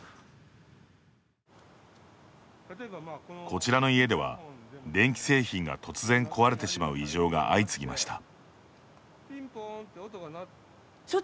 こちらの家では電気製品が突然壊れてしまう異常が相次ぎました。